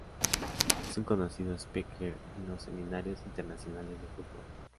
Es un conocido speaker en los Seminarios Internacionales de Fútbol.